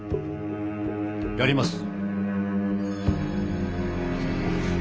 やります。